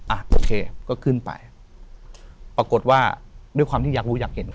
อ่ะโอเคก็ขึ้นไปปรากฏว่าด้วยความที่อยากรู้อยากเห็น